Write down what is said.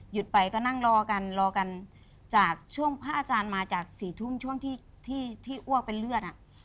ไปก็นั่งรอกันรอกันจากช่วงพระอาจารย์มาจากสี่ทุ่มช่วงที่ที่อ้วกเป็นเลือดอ่ะ